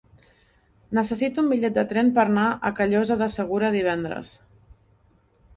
Necessito un bitllet de tren per anar a Callosa de Segura divendres.